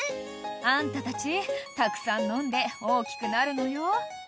「あんたたちたくさん飲んで大きくなるのよ」